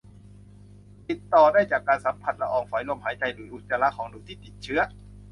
ติดต่อได้จากการสัมผัสละอองฝอยลมหายใจ หรืออุจจาระของหนูที่ติดเชื้อ